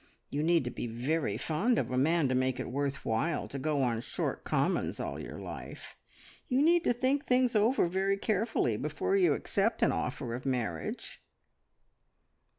You need to be very fond of a man to make it worth while to go on short commons all your life. You need to think things over very carefully, before you accept an offer of marriage."